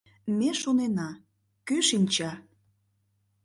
Ме шонена: «Кӧ шинча?»